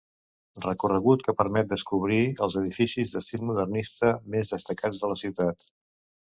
Recorregut que permet descobrir els edificis d'estil modernista més destacats de la ciutat.